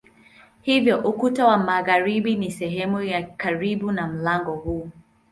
Hivyo ukuta wa magharibi ni sehemu ya karibu na mlango huu.